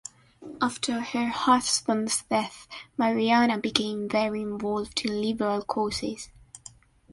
After her husband's death, Mariana became very involved in liberal causes.